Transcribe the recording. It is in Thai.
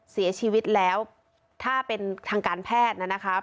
เสียชีวิตแล้วถ้าเป็นทางการแพทย์นะคะ